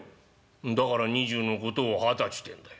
「だから２０のことを二十歳てんだよ」。